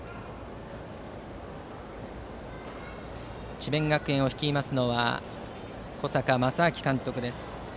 智弁学園を率いますのは小坂将商監督です。